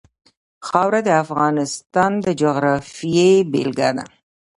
خاوره د افغانستان د جغرافیې بېلګه ده.